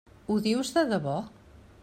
Ho dius de debò?